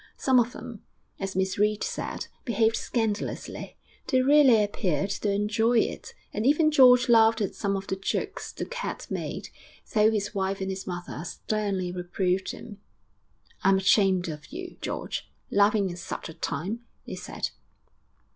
Some of them, as Miss Reed said, behaved scandalously; they really appeared to enjoy it. And even George laughed at some of the jokes the cat made, though his wife and his mother sternly reproved him. 'I'm ashamed of you, George, laughing at such a time!' they said.